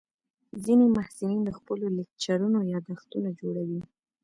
ځینې محصلین د خپلو لیکچرونو یادښتونه جوړوي.